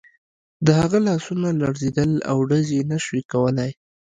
د هغه لاسونه لړزېدل او ډز یې نه شو کولای